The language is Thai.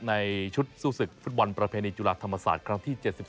ในชุดสู้ศึกฟุตบอลประเพณีจุฬาธรรมศาสตร์ครั้งที่๗๒